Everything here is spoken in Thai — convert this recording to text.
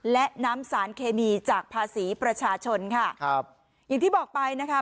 และน้ำสารเคมีจากภาษีประชาชนค่ะครับอย่างที่บอกไปนะคะ